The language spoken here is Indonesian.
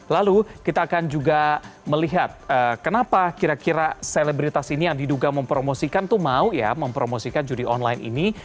lalu kita akan juga melihat kenapa kira kira selebritas ini yang diduga mempromosikan itu mau ya mempromosikan judi online ini